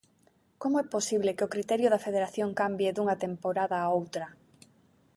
Como é posible que o criterio da Federación cambie dunha temporada a outra?